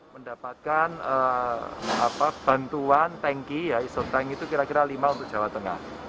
mendapatkan bantuan tanki isotank itu kira kira lima untuk jawa tengah